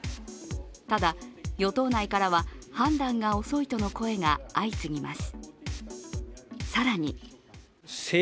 ただ、与党内からは判断が遅いとの声が相次ぎます。